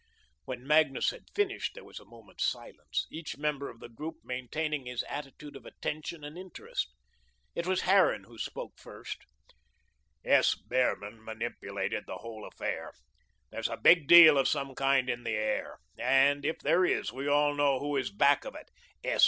When Magnus had finished, there was a moment's silence, each member of the group maintaining his attitude of attention and interest. It was Harran who first spoke. "S. Behrman manipulated the whole affair. There's a big deal of some kind in the air, and if there is, we all know who is back of it; S.